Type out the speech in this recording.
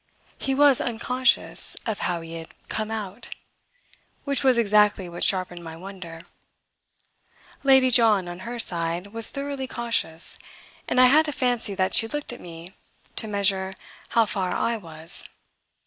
He was unconscious of how he had "come out" which was exactly what sharpened my wonder. Lady John, on her side, was thoroughly conscious, and I had a fancy that she looked at me to measure how far I was.